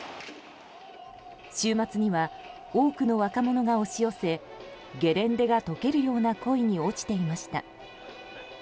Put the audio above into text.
週末には、多くの若者が押し寄せゲレンデが解けるような恋に落ちていました。